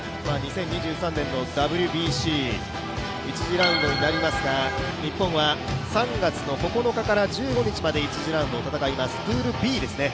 ２０２３年のＷＢＣ１次ラウンドになりますが、日本は３月９日から１５日まで１次ラウンドを戦います、プールＢですね。